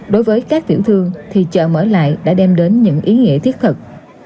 đối với các tiểu thương thì chợ mở lại đã đem đến những ý nghĩa thiết thực